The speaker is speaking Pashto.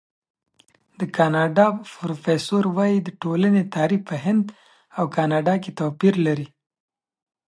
د کاناډا پروفیسور وايي، د ټولنې تعریف په هند او کاناډا توپیر لري.